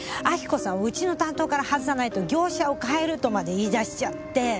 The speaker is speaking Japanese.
亜希子さんをうちの担当から外さないと業者を変えるとまで言い出しちゃって。